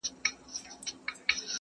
• دا مي سمنډوله ده برخه مي لا نوره ده -